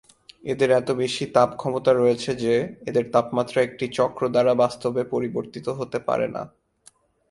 এদের এত বেশী তাপ ক্ষমতা রয়েছে যে এদের তাপমাত্রা একটি চক্র দ্বারা বাস্তবে পরিবর্তিত হতে পারেনা।